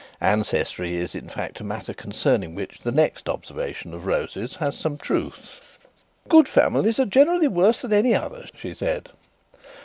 Ancestry is, in fact, a matter concerning which the next observation of Rose's has some truth. "Good families are generally worse than any others," she said.